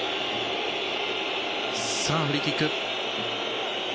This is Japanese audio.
さあ、フリーキック。